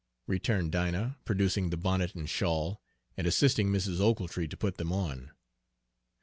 returned Dinah, producing the bonnet and shawl, and assisting Mrs. Ochiltree to put them on.